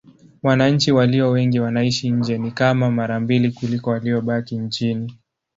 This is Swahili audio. Wananchi walio wengi wanaishi nje: ni kama mara mbili kuliko waliobaki nchini.